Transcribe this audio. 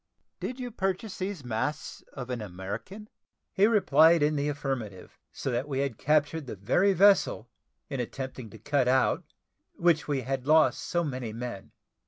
"Did you purchase these masts of an American?" He replied in the affirmative; so that we had captured the very vessel, in attempting to cut out which we had lost so many men.